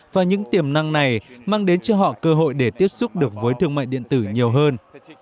và những tiềm năng này mang đến cho họ cơ hội để tiếp xúc được với thương mại điện tử nhiều hơn